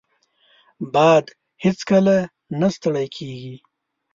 باد هیڅکله نه ستړی کېږي